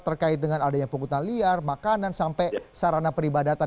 terkait dengan adanya pungutan liar makanan sampai sarana peribadatan